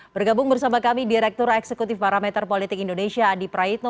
bergabung bersama kami direktur eksekutif parameter politik indonesia adi praitno